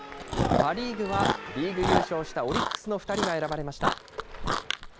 パ・リーグは、リーグ優勝したオリックスの２人が選ばれました。